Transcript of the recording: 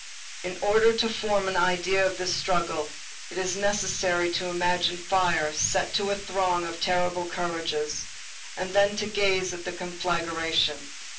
In order to form an idea of this struggle, it is necessary to imagine fire set to a throng of terrible courages, and then to gaze at the conflagration.